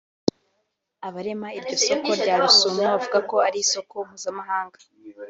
Abarema iryo soko rya Rusumo bavuga ko ari isoko mpuzamahanga